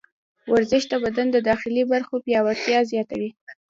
ورزش د بدن د داخلي برخو پیاوړتیا زیاتوي.